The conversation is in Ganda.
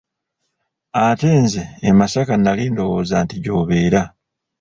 Ate nze e masaka nali ndowooza nti gy'obeera.